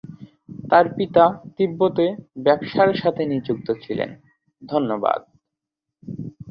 তার পিতা তিব্বতে ব্যবসার সাথে নিযুক্ত ছিলেন।